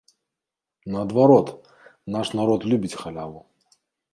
Наадварот, наш народ любіць халяву.